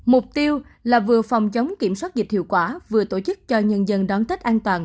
mục tiêu là vừa phòng chống kiểm soát dịch hiệu quả vừa tổ chức cho nhân dân đón tết an toàn